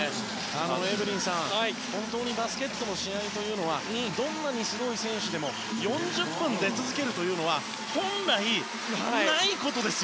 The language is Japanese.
エブリンさん、本当にバスケットの試合というのはどんなにすごい選手でも４０分出続けるというのは本来ないことですよ。